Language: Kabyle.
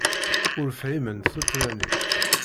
Ur fhimen tuttra-nni.